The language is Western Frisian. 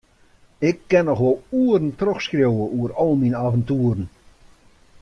Ik kin noch wol oeren trochskriuwe oer al myn aventoeren.